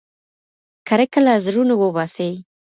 کرکه له زړونو وباسئ.